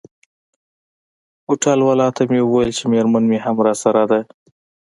هوټل والاو ته مې وویل چي میرمن مي هم راسره ده.